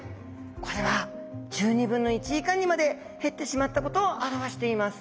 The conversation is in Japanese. これは１２分の１以下にまで減ってしまったことを表しています。